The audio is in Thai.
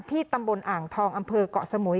ตำบลอ่างทองอำเภอกเกาะสมุย